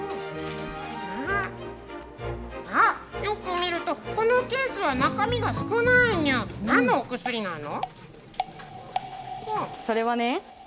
あ、よく見るとこのケースは中身が少ないにゅ何のお薬なの。